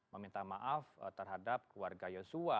meminta maaf terhadap keluarga yosua